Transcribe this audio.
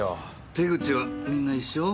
手口はみんな一緒？